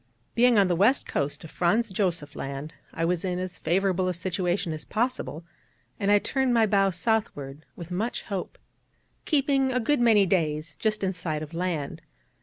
Being on the west coast of Franz Josef Land, I was in as favourable a situation as possible, and I turned my bow southward with much hope, keeping a good many days just in sight of land.